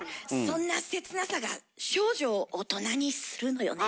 そんな切なさが少女を大人にするのよね。